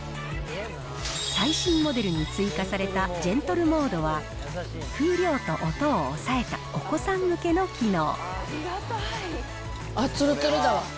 最新モデルに追加されたジェントルモードは、風量と音を抑えた、あっ、つるつるだわ。